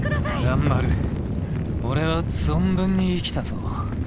蘭丸俺は存分に生きたぞ。